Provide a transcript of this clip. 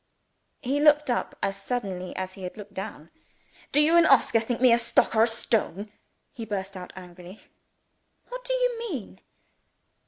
He looked up as suddenly as he had looked down. "Do you and Oscar think me a stock or a stone?" he burst out angrily. "What do you mean?"